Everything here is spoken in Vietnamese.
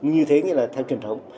như thế nghĩa là theo truyền thống